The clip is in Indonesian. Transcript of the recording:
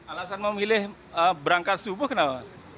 alasan memilih berangkat subuh kenapa